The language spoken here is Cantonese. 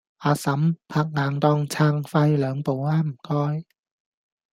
阿嬸，拍硬檔撐快兩步吖唔該